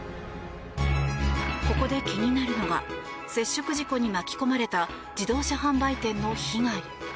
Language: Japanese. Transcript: ここで気になるのが接触事故に巻き込まれた自動車販売店の被害。